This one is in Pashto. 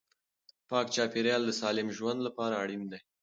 پاک چاپیریال د سالم ژوند لپاره اړین دی.